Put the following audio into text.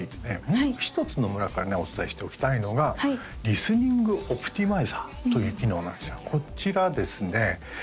もう一つ野村からねお伝えしておきたいのがリスニングオプティマイザーという機能なんですよこちらですね